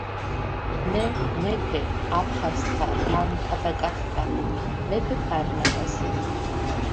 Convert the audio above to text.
მე მეფე აფხაზთა რანთა და კახთა მეფე ფარნავაზი